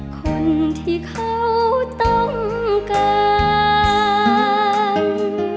คนที่เขาต้องการ